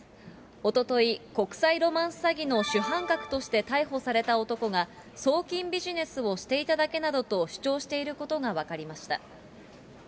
おととい、国際ロマンス詐欺の主犯格として逮捕された男が、送金ビジネスをしていただけなどと主張していることが分かりました。